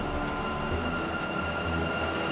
gue akan jadi mimpi lo